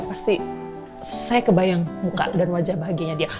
pasti saya kebayang muka dan wajah bahagianya dia